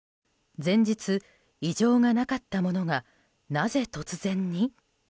前日、異常がなかったものがなぜ突然に？